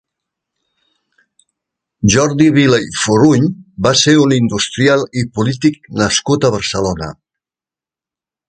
Jordi Vila i Foruny va ser un industrial i polític nascut a Barcelona.